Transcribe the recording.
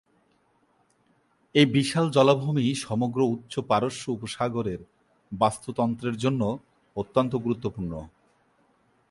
এই বিশাল জলাভূমি সমগ্র উচ্চ পারস্য উপসাগরের বাস্তুতন্ত্রের জন্য অত্যন্ত গুরুত্বপূর্ণ।